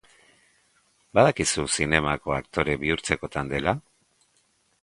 Badakizu zinemako aktore bihurtzekotan dela?